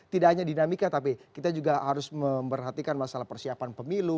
tidak hanya dinamika tapi kita juga harus memperhatikan masalah persiapan pemilu